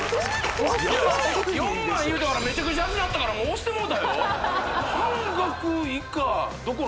４万言うたからめちゃくちゃ安なったからもう押してもうたよそうなんです